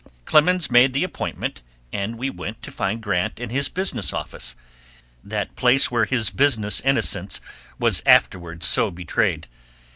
Clemens made the appointment, and we went to find Grant in his business office, that place where his business innocence was afterward so betrayed.